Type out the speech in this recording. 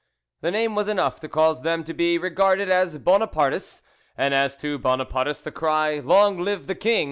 The name was enough to cause them to be regarded as Bonapartists, and as to Bonapartists the cry "Long live the king!"